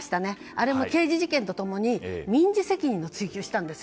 あれも刑事事件と共に民事責任も追及したんです。